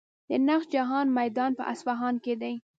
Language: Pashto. د نقش جهان میدان په اصفهان کې دی.